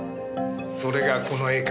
それがこの絵か？